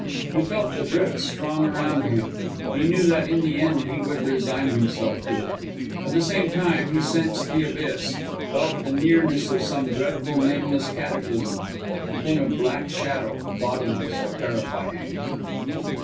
He felt the drift strong around him; he knew that in the end he would resign himself to it. At the same time he sensed the abyss, felt the nearness of some dreadful, nameless cataclysm, a thing of black shadow, bottomless, terrifying.